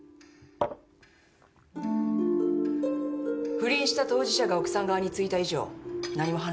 不倫した当事者が奥さん側についた以上何も反論できない。